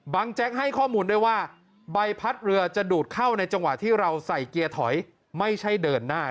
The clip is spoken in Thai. แจ๊กให้ข้อมูลด้วยว่าใบพัดเรือจะดูดเข้าในจังหวะที่เราใส่เกียร์ถอยไม่ใช่เดินหน้า